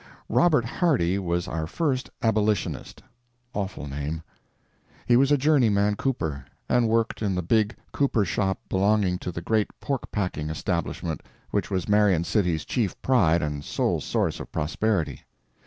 Robert Hardy was our first abolitionist—awful name! He was a journeyman cooper, and worked in the big cooper shop belonging to the great pork packing establishment which was Marion City's chief pride and sole source of prosperity.